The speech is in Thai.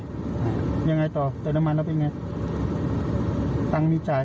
แค้งว่าเฏ็บแล้วเกี่ยวไม่รู้ไหม